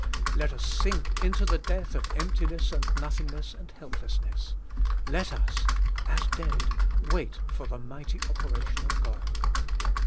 Let us sink into the death of emptiness and nothingness and helplessness ; let us, as dead, wait for the mighty operation of God.